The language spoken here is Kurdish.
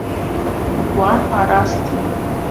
Wan arastiye.